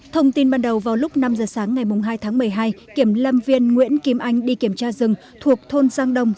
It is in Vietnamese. thông tin ban đầu vào lúc năm giờ sáng ngày hai tháng một mươi hai kiểm lâm viên nguyễn kim anh đi kiểm tra rừng thuộc thôn giang đông